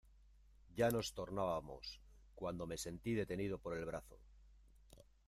ya nos tornábamos, cuando me sentí detenido por el brazo.